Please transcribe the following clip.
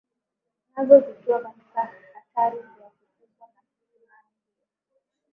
nazo zikiwa katika hatari ya kukumbwa na tsunami hiyo